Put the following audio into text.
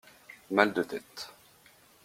Mal de tête.